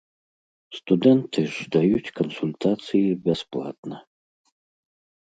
Студэнты ж даюць кансультацыі бясплатна.